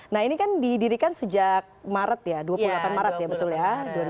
nah ini kan didirikan sejak maret ya dua puluh delapan maret ya betul ya dua ribu dua belas